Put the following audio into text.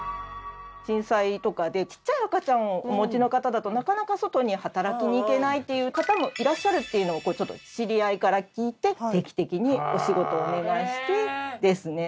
震災とかでちっちゃい赤ちゃんをお持ちの方だとなかなか外に働きに行けないという方もいらっしゃるっていうのを知り合いから聞いて定期的にお仕事をお願いしてですね